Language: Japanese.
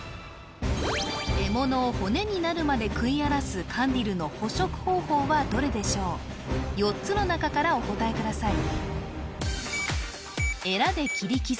獲物を骨になるまで食い荒らすカンディルの捕食方法はどれでしょう４つのなかからお答えください